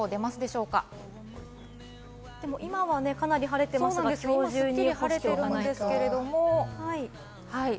今はかなり晴れていますがね、スッキリ晴れていますけれどもね。